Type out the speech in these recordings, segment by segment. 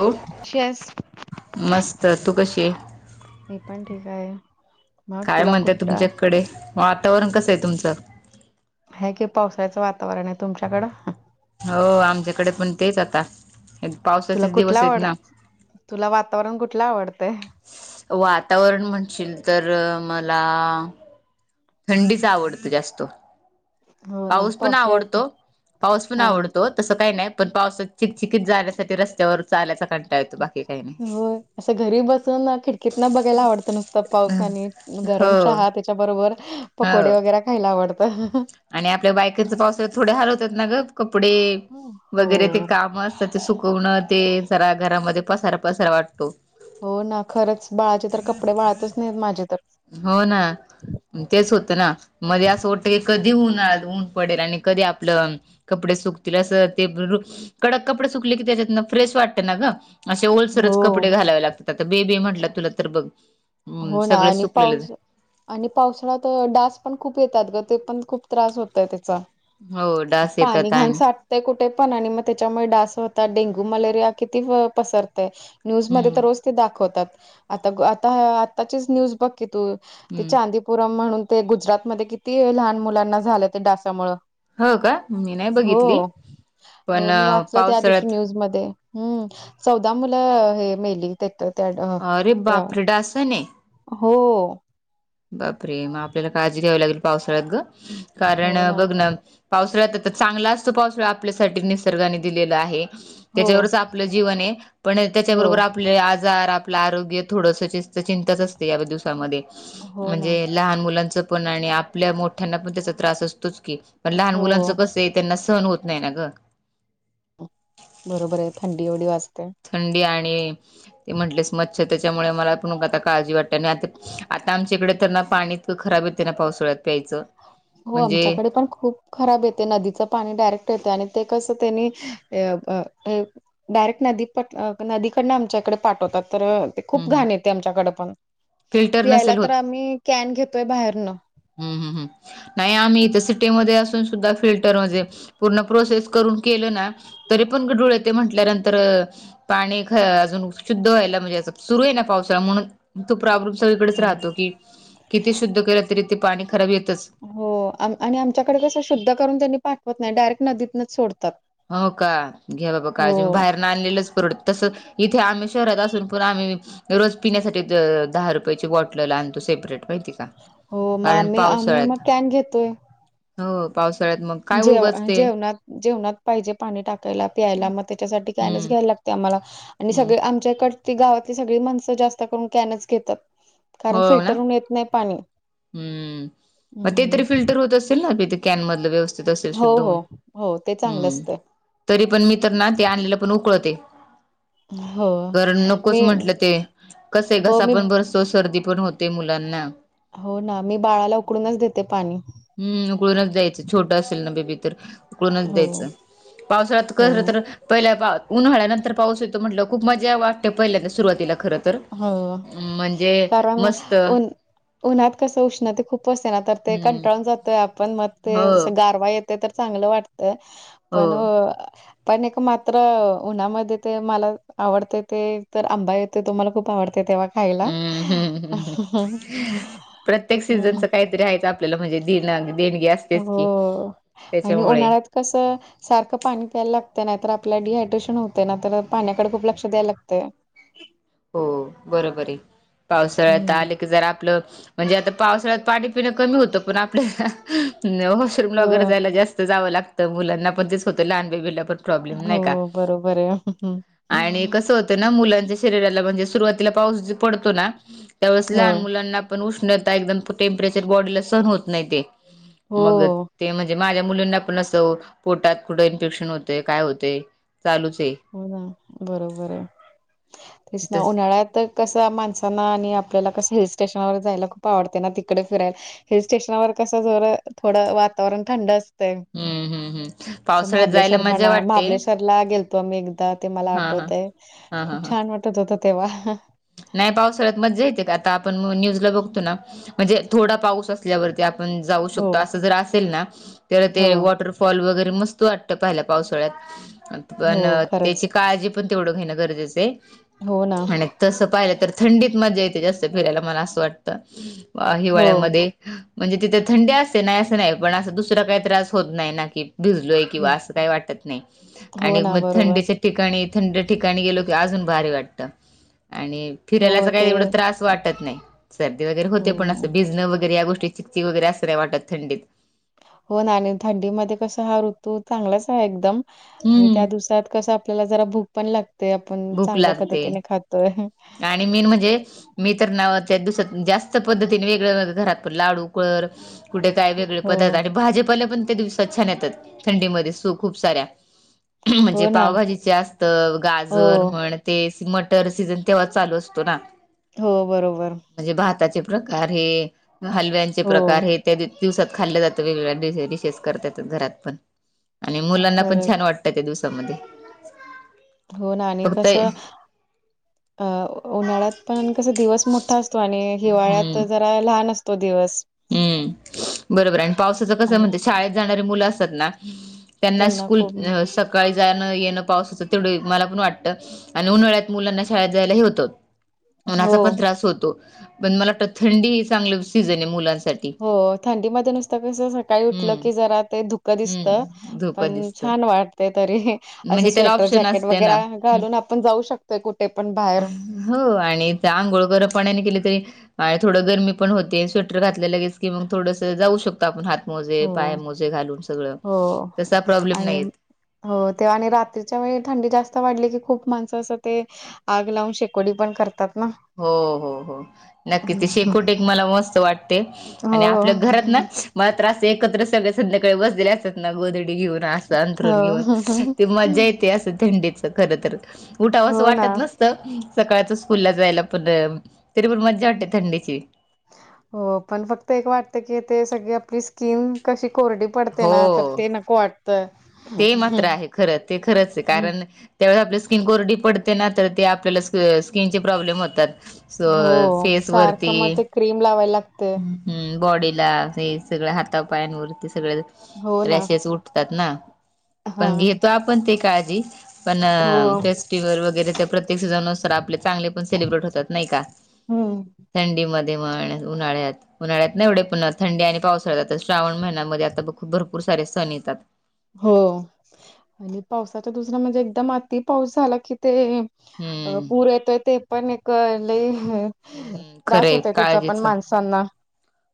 हो. शेष. मस्त तू कशी आहे? मी पण ठीक आहे. मग काय तुला म्हणताय कुठला तुमच्याकडे वातावरण कसं आहे तुमचं. ह कि पावसाळ्याचं वातावरण आहे. तुमच्याकडं? हो आमच्याकडे पण तेच आता. हे तुला पावसाचेच कुठला दिवस आहेत आवड ना तुला वातावरण कुठलं आवडतंय? वातावरण म्हणशील तर मला. थंडीच आवडत जास्त हो ना पाऊस पण पावसाळ्यात आवडतो पाऊस पण हा आवडतो. तसं काही नाही पण पावस चिकचिकत जाण्यासाठी रस्त्यावर चालायचा कंटाळा येतो बाकी काही नाही. हो असं घरी बसून खिडकीतना बघायला आवडतं नुसतं पाऊस आणि नाही गरम हो चहा त्या. त्याच्या बरोबर पकोडे हो वगैरे खायला आवडत. आणि आपल्या बायकांच पावसाळ्यात थोडे हरवतात ना ग कपडे वगैरे ते हो काम. ते सुकवणं ते जरा घरामध्ये पसार पसार वाटत. हो ना खरंच बाळाचे तर कपडे वाळतच नाहीत माझे तर. हो ना तेच होतं ना मध्ये असं टत. कधी उन्हाळ्यात ऊन पडेल आणि कधी आपलं कपडे सुकतील असं ते कडक कपडे सुकले की त्याच्यातन फ्रेश वाटते ना ग. असे हो ओलसलच कपडे घालावे लागतात आता बेबी म्हटलं तुला तर बघ. हो ना सगळं आणि सुकलेलं पाऊस. आणि पावसाळ्यात डास पण खूप येतात ग ते पण खूप त्रास होतय त्याचा. हो डास पाणी येतात घाण आणि साठ ते कुठे पण, आणि मग त्याच्यामुळे डास होतात, डेंग्यू मलेरिया किती पसरतय. न्यूजमध्ये हम्म तर रोज ते दाखवतात, आता आता आताचीच न्यूज बघ कि तू, ती हम्म चांदी पुरम म्हणून ते गुजरातमध्ये, किती लहान मुलांना झालं ते, डासामुळं. हो का मी नाही हो, बघितली पण हो मी वाचलं त्या दिवशी पावसाळ्यात न्यूज मध्ये. हम्म! चौदा मुलं हे मेली तीथ त्या अरे त्या बापरे! डासाने हो. बापरे! मग आपल्याला काळजी घ्यावी लागेल पावसाळ्यात ग, कारण बघ ना पावसाळ्यात, चांगला असतो पावसाळा, आपल्यासाठी निसर्गाने दिलेला आहे. हो त्याच्यावरच आपलं जीवन ये, पण हो त्याच्याबरोबर आपले आजार, आपलं आरोग्य थोडस चिंताच असते, या दिवसामध्ये. हो ना म्हणजे लहान मुलांच पण, आणि आपल्या मोठ्यांना पण त्याचा त्रास असतोच की, लहान हो मुलांच कसय, त्यांना सहण होत नाही ना ग. बरोबर ये, थंडी एवढी वाजत्या थंडी आणि, ते म्हटलेस मच्छ त्याच्यामुळे मला पण आता काळजी वाटते. आता आमच्याकडे तर ना, पाणी इतकं खराब येतय ना, पावसाळ्यात प्यायचं. हो, म्हणजे आमच्याकडे पण खूप खराब येतय, नदीचं पाणी डायरेक्ट येतंय, आणि ते कसं त्यांनी अ डायरेक्ट नदी नदीकडन आमच्या इकडे पाठवतात, तर ते हम्म खूप हम्म घाण येते आमच्याकडे पण, फिल्टर पियायला नसेल तर आम्ही कॅन घेतोय बाहेरनं. हम हम हम, नाही आम्ही इथ सिटीमध्ये असून सुद्धा फिल्टरमध्ये पूर्ण प्रोसेस करून केलं ना, तरी पण डुळे ते म्हटल्यानंतर पाणी ख अजून शुद्ध व्हायला म्हणजे असं सुरू आहे ना पावसाळा, म्हणून तो प्रॉब्लेम सगळीकडेच राहतो की किती शुद्ध केलं, तरी ते पाणी खराब येतच. हो, आणि आमच्याकडे कसं, शुद्ध करून त्यांनी पाठवत नाही, डायरेक्ट नदीतनच सोडतात. हो का, घ्या बाबा हो काळजी म, बाहेर न आनलेलंच परवडत, तस इथे आम्ही शहरात असून पण आम्ही रोज पिण्यासाठी दहा रुपयाची बॉट बॉटल आणतो सेप्रेट माहिती आहे का, हो मग कारण आम्ही आम्ही पावसाळ्यात मग कॅन घेतोय हो, पावसाळ्यात मग काय जेव उगच ते जेवणात जेवणात पाहिजे, पाणी टाकायला, प्यायला, मग त्याच्यासाठी कायनच हम्म घ्यायला लागतय आम्हाला, आणि हम्म सगळे आ कड गावातली सगळी माणसं जास्त करून कॅनच घेतात. कारण हो ना फिल्टरहून येत नाही पाणी. हम्म! मग ते तरी फिल्टर होत असेल ना? ते कॅनमधल व्यवस्थित हो हो हो ते चांगलं असतंय. तरी पण मी तर ना, ते आणलेलं पण उकळते हो कारण, नकोच मी म्हंटलं ते, कस आहे हो घसा मी पण ब तो, सर्दी पण होते, मुलांना. हो ना, मी बाळाला उकडूनच देते पाणी. हम्म, उकळूनच द्यायचं, छोटं असेल ना बेबी तर उकडूनच हो द्यायचं, पावसाळ्यात हो कसलं तर पहिल्या पा उन्हाळ्यानंतर पाऊस येतो, म्हंटल्यावर खूप मजा वाटते, पहिल्यांद सुरुवातीला, खरं तर हो म्हणजे कारणन मस्त उन्हात कसं उष्ण ते खूप असते ना तर ते हम्म कंटाळून जातोय आपण मग ते हो गारवा येत ते तर चांगलं वाटत हो पण पण एक मात्र उन्हामध्ये ते मला आवडत ते तर आंबा येते तुम्हाला खूप ख आवडते तेव्हा खायला हम्म हम्म हम्म. प्रत्येक हम्म. सीझनच काहीतरी आहे आपल्याला म्हणजेण देणगी असतेच की हो त्याच्या आणि उन्हाळ्यात कसं सारखं पाणी प्यायला लागत नाहीर आपल्याला डिहायड्रेशन होते ना तर पाण्याकडे खूप लक्ष द्यायला लागत हो बरोबर आहे पावसाळ्यात हम्म. आले की जरा आपलं म्हणजे आता पावसाळ्यात पाणी पिणं कमी होतं पण आपल्या वॉशरूमला हो वगैरे जायला जास्त जावं लागतं मुलांना पण तेच होतं लहानबेला पण नाही का हो बरोबर आहे आणिक कस होत मुलांच्या शरीरा म्हणजे सुरुवातीला पाऊस ज पडतो ना त्याळे हो लहान मुलांना उष्णता एकदम टेंपरेचर बॉडी ला सहन होत नाही ते हो मग म्हण माझ्या मुलींना पण असं पोटात कुठं इन्फेक्शन होतेय काय होतय चालूच आहे हो ना बरोबर आहे तेच ना तस उन्हाळ्यातत कसं माणसांना आणि आपल्याला कसं हिलस््टेशनावर जायला खूप आवडते ना तिकडे फिरायला हिल स्टेशनावर कसं जर थोडं वातावरण थंड अस हम्म हम्म हम्म पावसाळ्यात जायला महाबलेश्वर मजा म्हणा वाटते महाबलेश्वरला गे मी एकदा ते मला हा हा आठवतय हा हा खूप हा छान वाटत होत तेव्हा नाही पाऊस हळत मजा येते का आता आपण न्यूज ला बघतो ना म्हणजे थोडा पाऊस अस आप जाऊ हो शकतो अस ज असेल ना तर ते हो वॉटर वगरे मस्त वाटत पावसाळ्यात हो पण त्याची खरंच. का पण तेवढं घेणं गरजेचं हो ना आणि तसं पाहिलं तर थंडीत मजा येते जास्त फिरायला मला असं वाटतं हो. हिवाळ्यामध्ये म्हणजे तिथे थंडी असते नाही असं नाही पण असं दुसरा काही त्रास होत नाही ना की भिजलोय ं हं. अस काही वाटत नाही हो आणि ना म थं बरोबर. ठिकाणी थंड ठिकाणी गेलो की अजून भारी वाटतं आणि फिरायलाच हो ते काही एवढं त्रास वाटत नाही सर्दी वगैरे होते पणं हं. भिजणं वैे या गोष्टी चिकचिक वगैरे असं नाही वाटत थंडीत हो ना आणि थंडीमध्येध्ये कस हा ऋतू चांगलाच आहे एकदम आणि हम्म त्या दिवसात कसा आपल्याला जरा भूक पण लागते आपण भूक चांगल्या लागते. पद्धतीने खातोय आणि मेन म्हणजे मी तर ना त्याच दिवसात जास्त पद्धतीने वेगळगळ घरात पण लाडू कर कुठे काय वेगळे हो. पदार्थ आणि भाजेपा पण त्या दिवसात छान येतात थंडीमध्येध्ये सू खूप साऱ्या म्हणजे हो ना. पावभाजीचे असत हो. गाजर म्हण ते मटर सीजन तेव्हा चालू असतो ना हो बरोबर म्हणजे भाताचे प्रकार हे हलव्यांचे हो. प्रकार हे त्या दिवसात खाल्लं जातं वेगवेगळ्या डिशेस करत य घरात पण आणि मुलांना पण खरंच. छान वाटत च्या दिवसामध्ये हो ना आणि फक्त कसं अ उन्हाळ्यात पण कसा दिवस मोठा असतो आणि हिवाळ्यात हम्म जरा लहान असतो दिवस हम्म बरोबर आणि पावसाच कस आणि म्हणज शाळेत जाणारी मुलं असतात ना त्यांना स्कूल सकाळी जाणं-येणं पाऊसचं तेवढं मला पण वाटतं. अं उन्हाळ्यात मुलांना शाळेत जायला हे होतं. उन्हाचा हो. पण त्रास होतो, पण मला वाटत थंडी ह चांगलं सीझन आहे मुलां हो थंडीमध्ये नुसतं कसं सकाळी उठलं, हम्म, की जरा ते धुकं दिसत हम्म, धोका पण दिसतं. छान वाटते तरी, असं म्हणजे त्याला स्वेटर ऑप्शन जॅकेट असते ना. वगैरा हं, घालून आपण जाऊ शकतोय कुठे पण बाहेर. हो आणि ते आंगोळ गरम पाण्याने केली त थोडं गरमी पण होते, स्वेटर घात लं लगेच की मग थोडंस जाऊ शकतो आपण हात मोजे, हो, पाय मोजे घालून सगळं, हो तसा प्रॉब्लेम आणि नहीं येत. हो ते आणि रात्रीच्या वेळी थंडी जास्त वाढली की, खूप माणसं असं ते आग लावून शेकोडी पण करतात ना? हो हो हो, नक्की ते शेकोटी एक मला मस्त वाट ते हो, आणि आपल्या घरात ना मात्र असे एकत्र सगळे संध्याकाळी बसलेले असतात ना गोधडी घेऊन अस हो. अंंथरून घेऊन, ते मज्जा येते असं थंडीच खर तर उठाव असं हो ना. वाटत नसत चं सकाळच स्कूलला जायला पण तरी प मज्जा वाटते थंडीची. हो पण फक्त एक वाटत की, ते सगळी आपली स्किन कशी कोरडी पडते ना तर हो ते नको वाटतं. ते मात्र आहे, खरंच ते खरचे कारण त्यावेळे आपली स्किन कोरडी पडते ना, तर ते आपल्याला स्किनचे प्रॉब्लेम होतात. स हो फेस सारखं वरती. मग ते क्रीम लावायला लागते ह् बॉडीला हे सगळ हातापायांवरती, सगळे हो ना रॅशेस उठतात ना. हा पण घेतो आपण ती काळजी. पण हो फेस्टिवल वगैरे त्या प्रत्येक सीझन नुसार आपले चांगले पण सेलिब्रेट होतात नाही का? हम्म. थंडीमध्ये म्हण, उन्हाळ्यात-उन्हाळ्यात नही एवढे पन थंडी आणि पाउसळ्यात, श्रावण महिन्यामध्ये आता खूप भरपूर सारे सण येतात. हो आणि पावसाच्या दुसरा म्हणजे एकदम अति पाऊस झाला की ते अ हम्म पूर येतोय ते पण एक लई हे हम्म त्रास खरंय होतय त्याचा पण काळजीच माणसांना.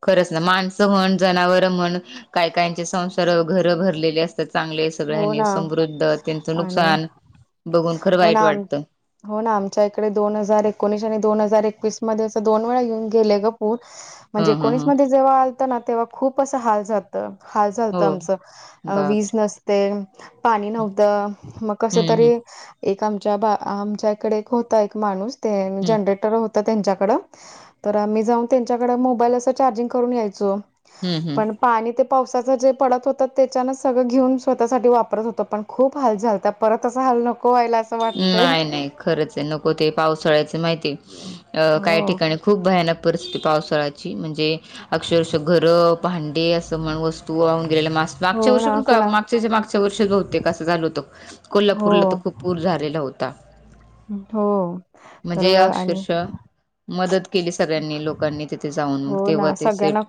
खरंच ना माणसं म्हण, जनावर म्हण, काही काहींचे संसार घरं भरलेले अस चांगले सगळ्यां हो यानी ना समृद्ध, त्यांचं आणि नुकसान बघून खर हो वाईट ना वाटतं. हो ना आमच्या इकडे दोन हजार एकोणीस आणि दोन हजार एकवीस मध्ये, अस दोन वेळा येेऊन गेले ग पूर. ह म्हणजे ह एकोणीस ह मध्ये जेव्हा आलतं ना तेव्हा खूप अस हाल झा त, हाल हो झालतं आमचं अ विज बापरे नस ते पाणी नव्हतं, मग कस हम्म हम्म तरी एक आमच्या बा आमच्या इकडे होता एक माणूस ते हम्म जनरेटर हो त, त्यांच्याकड तर आम्ही जाऊन, त्यांच्याकड मोबाईल असं चार्जिंग करून यायचो. हम्म हम्. पण पाणी ते पावसाचं जे पडत होत त्याच्यानच सगळं घेऊन स्वतःसाठी वापरत होतो, पण खूप हाल झालता परत असा हाल नको व्हायला अस नाही-नाही खरंचये नको ते पावसाळ्याच माहिती अ काही हो ठिकाणी खूप भयानक परिस्थिती पावसाळ्याची, म्हणजे अक्षरशः घरं भांडे अस वस्तू वाहून गेलेल्या, हो मास-मागच्या वर्षी ना पण कुणा च्या- मागच्या वर्षीच बहुतेक असं झाल होत, हो कोल्हापूरला तर खूप पूर झालेला होता. हो, तर म्हणजे आणि अक्षरशः मदत केली सगळ्यांनी लोकांनी तिथे जाऊन, मग हो तेव्हा ना ते सगळ्यांना सेफ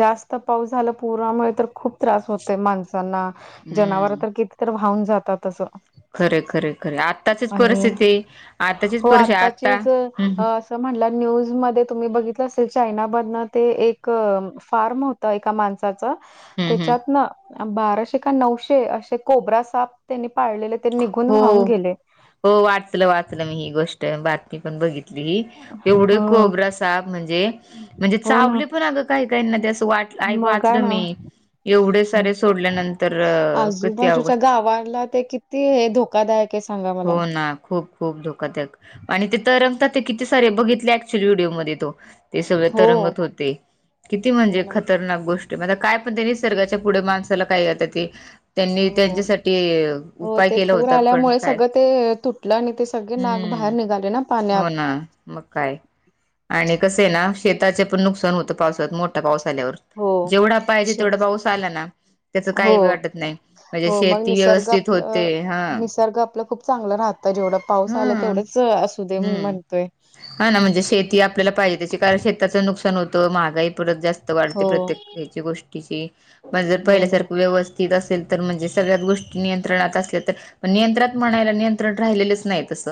जास्त पाऊस झाला पुरामुळे तर खूप त्रास होत माणसांना. जनावर हम्म. तर किती तर वाहून जातात असं. खरे खरे खरे आत्ताचीच आणि परिस्थिती आताचीच परिस्थिती आता ह्. म्हण न्यूज मध्ये तुम्ही बघितलं असेल चायना मधन ते एक फारम एका माणसाचं हम्म हम्म त्याच्यातन बाराशे का नऊशे असे कोबरा साप त्यांनी पाळलेले ते निघून वा्हाहून हो. गेले. हो वाचलं वाचलं मी ही गोष्ट बातमी पण बघितली. एवढे हो कोब्रा साप म्हणजे म्हणजे म्हणजे हो ना चावले पण अगं काही काही ना त्यासं वाट मग काय वाचलं ना मी एवढे सारे सोडल्यानंतर कती आजूबाजूच्या अवघड गावाला ते धो कादायक सांगा. हो मला ना खूप. खूप धोकादायक आणि ते तरंगतात ते किती सारे बघितले ऍक्च्युअल व्हिडिओमध्ये तो ते सगळे हो तरंगत होते किती हो म्हणजे ना खतरनाक गोष्ट. मंग काय पण त्यां निसर्गाच्या पुढे माणसाला काय आता ते त्यांनी हो त्यांच्यासाठी हो उपाय ते केला पूर होता पण आल्यामुळे काय? सगळं ते तुटलं आणि ते सगळे नाग बाहेर हम्म निघाले ना पाण्यात. हो ना मग काय आणि कसं आहे ना शेताचे पण नुकसान होतं पावसात. मोठा पाऊस आल्यावर हो जेवढा पाहिजे अच्छा तेवढा पाऊस आला ना. त्याच हो काही बी वाटत नाही. म्हणजे हो मग शेती निसर्ग व्यवस्थित होते आपलं हा. निसर्ग आपलं खूप चांगलं राहतं जेवढं पाऊस हा आला तेवढंच असू दे मी हम्म म्हणतोय हा ना म्हणजे शेती आपल्याला पाहिजे त्याची कारण शे त्याचं नुकसान होतं महागाई परत जास्त वाढते हो प्रत्येक याची गोष्टीची. म्हणजे जर हो ना पहिल्यासारखं व्यवस्थित असेल तर म्हणजे सगळ्यात गोष्टी नियंत्रणात असल्या तर ्रात म्हणाय निंत्रण राहिलं नाही तस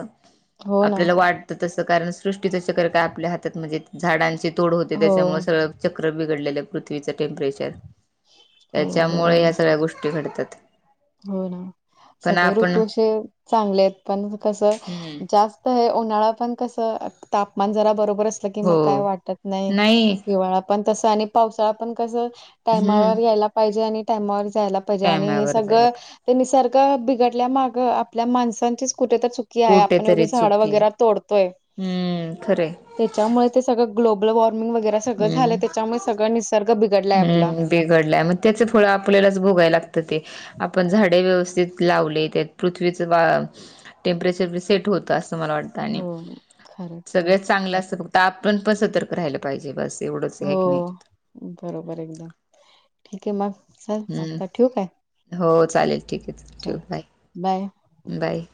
हो ना आपल्याला वाटत तस कारण सृष्टी तच्या कर काय आपल्या हातात म्हणजे झाडांचे तोड होते हो त्याच्यामु सगळं चक्र बिघडलेल्या पृथ्वीचं टेम्परेचर. हो त्याच्यामुळे ह्या बरोबर सगळ्या गोष्टी घडत्यात. हो ना सगळे ऋतूे चे चांगले आहेत पण कसं हम्म जास्त तर हे उन्हाळा पण कसं तापमान जरा बरोबरच. की हो मग काय वाटत नाही हिवाळा पण तस आणि पावसाळा पण कसं? हम्म टायमावर यायला पाहिजे आणि टायमावर जायला पाहिजे आणि हे टायमावर जायला पाहिजे त्यांनी सारखं बिघडल्या माग आपल्या माणसांचीच कुठे तर चुक की आहे आपण एवढी कुठेतरी झाडं चुकी वगैरे तोडतोय. हम्म खरे त्याच्यामुळे ते सगळं ग्लोबल वॉर्मिंग वगैरे सगळं झालंय हम्म त्याच्यामुळे सगळं निसर्ग बिघडलाय आपला. हम्म बिघडलाय मग त्याच फळ आपल्यालाच भोगाय लागतं ते. आपण झाडे व्यवस्थित लावले त्या पृथ्वीच टेम्परेचर सेट होत अस मला वाटत आणि हो खरंच सगळ चांगलं ठीक असत आहे फक्त आपण पण सतर्क राहिलं पाहिजे बस तेवढंच हो हे की नाही. बरोबर एकदम ठीक आहे मग चल हम आता ठेवू काय हो चालेल ठीक आहे ठेव चल बाय बाय. बाय.